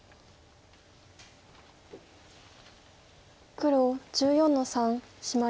黒１４の三シマリ。